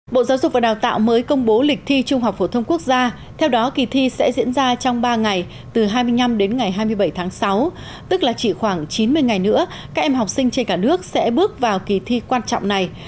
bộ giáo dục và đào tạo mới công bố lịch thi trung học phổ thông quốc gia theo đó kỳ thi sẽ diễn ra trong ba ngày từ hai mươi năm đến ngày hai mươi bảy tháng sáu tức là chỉ khoảng chín mươi ngày nữa các em học sinh trên cả nước sẽ bước vào kỳ thi quan trọng này